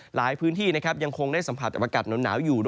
หลายพื้นที่ยังคงได้สัมผัสอากาศหนาวอยู่